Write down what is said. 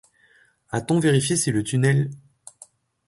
A-t-on vérifié si le tunnel